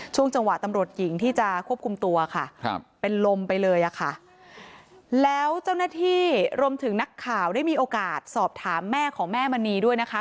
ช่วงจังหวะตำรวจหญิงที่จะควบคุมตัวค่ะครับเป็นลมไปเลยอะค่ะแล้วเจ้าหน้าที่รวมถึงนักข่าวได้มีโอกาสสอบถามแม่ของแม่มณีด้วยนะคะ